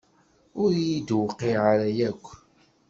Ur iyi-d-tewqiɛ ara akk.